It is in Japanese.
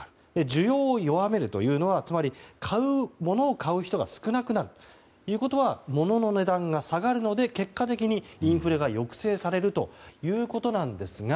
需要を弱めるというのはつまり、物を買う人が少なくなるということは物の値段が下がるので結果的にインフレが抑制されるということなんですが